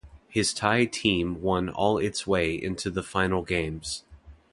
His Thai team won all its way into the final games.